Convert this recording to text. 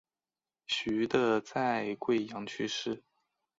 徐的在桂阳去世。